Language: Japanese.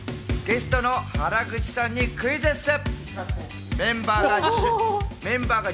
ゲストの原口さんにクイズッス！